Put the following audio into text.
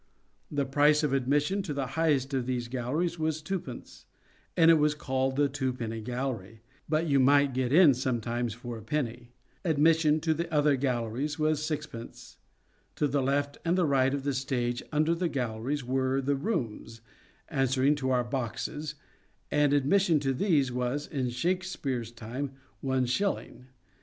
The price of admission to the highest of these galleries was twopence, and it was called the twopenny gallery, but you might get in sometimes for a penny. Admission to the other SHAKESPEAREAN THEATRES 15 galleries was sixpence. To the left and right of the stage under the galleries were the " rooms," answering to our boxes, and admission to these was, in Shakespeare's time, one* shilling.